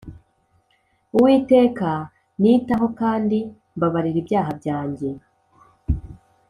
uwiteka nitaho kandi mbabarira ibyaha byanjye